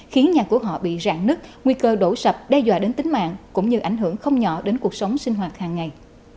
khiến nhà của họ bị rạn nứt nguy cơ đổ sập đe dọa đến tính mạng cũng như ảnh hưởng không nhỏ đến cuộc sống sinh hoạt hàng ngày